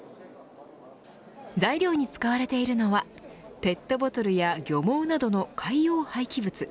材料に使われているのはペットボトルや漁網などの海洋廃棄物。